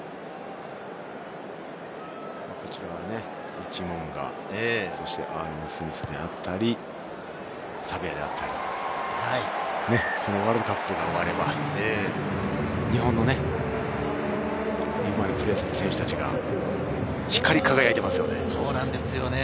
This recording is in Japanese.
リッチー・モウンガ、アーロン・スミスであったり、サヴェアであったり、ワールドカップが終われば日本のリーグでプレーする選手が光り輝いていますよね。